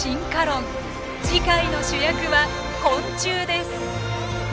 次回の主役は昆虫です。